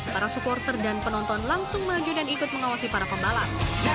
para supporter dan penonton langsung maju dan ikut mengawasi para pembalap